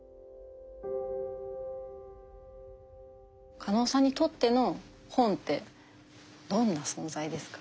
加納さんにとっての本ってどんな存在ですか？